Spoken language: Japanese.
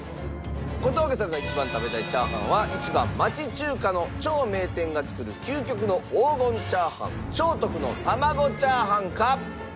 小峠さんが一番食べたいチャーハンは１番町中華の超名店が作る究極の黄金チャーハン兆徳の玉子チャーハンか？